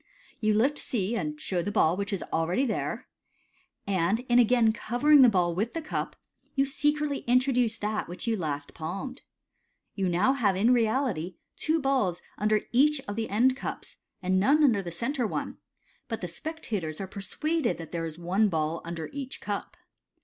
M You lift C, and show the ball which is already there ; and in again covering the ball with the cup, you secretly introduce that which you last palmed. You now have in reality two balls under each of the end cups, and none under the centre one ; but the spec tators are persuaded that there is one ball under each cup.